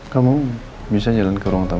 kamu bisa jalan ke ruang tamu